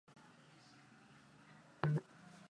Akuna tena mambo ya kulanda nju ya mashamba ya mama